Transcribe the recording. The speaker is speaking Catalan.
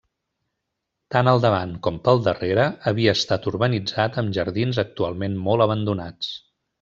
Tant al davant com pel darrere havia estat urbanitzat amb jardins actualment molt abandonats.